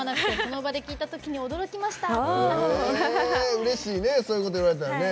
うれしいねそういうこと言われたらね。